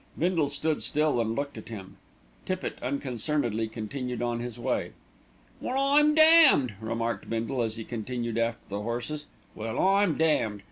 Bindle stood still and looked at him. Tippitt unconcernedly continued on his way. "Well, I'm damned!" remarked Bindle, as he continued after the horses. "Well, I'm damned!